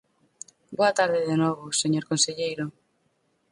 Boa tarde de novo, señor conselleiro.